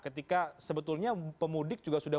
ketika sebetulnya pemudik juga sudah